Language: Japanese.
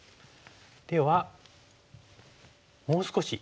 ではもう少し。